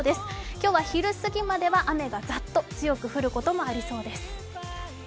今日は昼過ぎまでは雨がザッと強く降ることもありそうです。